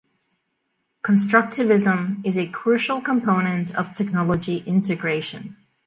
Constructivism is a crucial component of technology integration.